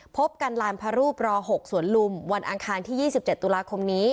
พบกันลานพรูปรอหกสวนลุมวันอังคารที่ยี่สิบเจ็ดตุลาคมนี้